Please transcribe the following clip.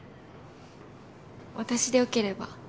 私でよければ。